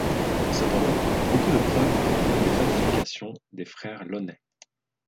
Cependant beaucoup de preuves proviennent des falsifications des frères Launay.